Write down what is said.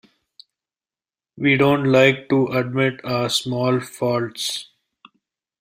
We don't like to admit our small faults.